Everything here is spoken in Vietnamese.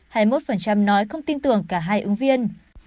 hai mươi một nói không tin tưởng cả hai ứng viên